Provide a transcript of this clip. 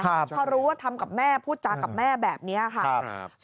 พอรู้ว่าทำกับแม่พูดจากับแม่แบบนี้ค่ะ